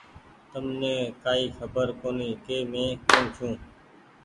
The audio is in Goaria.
تمني ڪآئي خبر ڪوُني ڪ مينٚ ڪوٚڻ ڇوٚنٚ